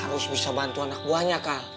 harus bisa bantu anak buahnya kak